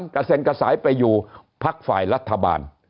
กระเซ็นกระสายไปอยู่พักฝ่ายรัฐบาล